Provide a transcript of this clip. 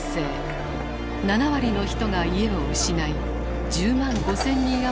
７割の人が家を失い１０万５，０００人余りが命を落とした。